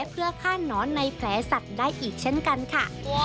เพื่อฆ่านอนในแผลสัตว์ได้อีกเช่นกันค่ะ